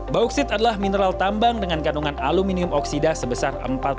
bauksit adalah mineral tambang dengan kandungan aluminium oksida sebesar empat puluh